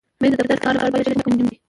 مېز د دفتر د کار لپاره بې له شکه مهم دی.